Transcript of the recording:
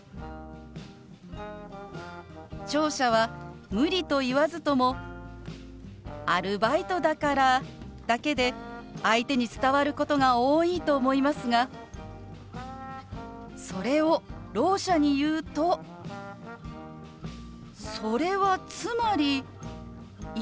聴者は「無理」と言わずとも「アルバイトだから」だけで相手に伝わることが多いと思いますがそれをろう者に言うと「それはつまり行けないの？」